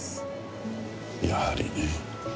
やはり。